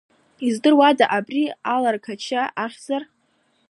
Издыруада абри аларқача ахьзар?!